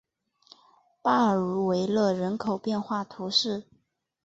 巴尔茹维勒人口变化图示